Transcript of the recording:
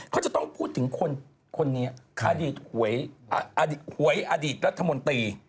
เขาจะต้องพูดถึงคนนี้อดีตหวยอดีตรัฐมนตรี